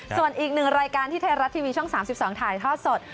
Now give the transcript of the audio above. ส่วนอีกหนึ่งรายการที่ไทยรัฐทีวีช่อง๓๒ถ่ายทอดสด